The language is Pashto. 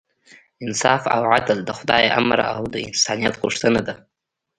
انصاف او عدل د خدای امر او د انسانیت غوښتنه ده.